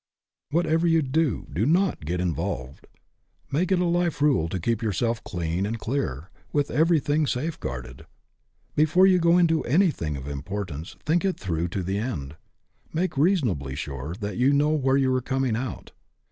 Whatever you do, do not get involved. Make it a life rule to keep yourself clean and clear, with everything safeguarded. Be fore you go into anything of importance think it through to the end; make reasonably sure that you know where you are coming out.